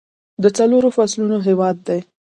د څلورو فصلونو هیواد دی.